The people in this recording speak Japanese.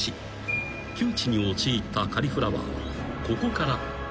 ［窮地に陥ったカリフラワーはここから］